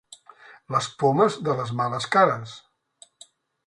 Les pomes de les males cares.